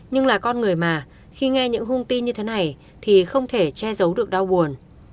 nhưng là con người mà khi nghe những hung tin như thế này thì không thể che giấu được đau buồn